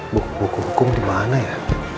buku buku hukum dimana ya